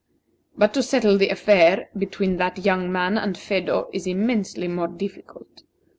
But to settle the affair between that young man and Phedo is immensely more difficult.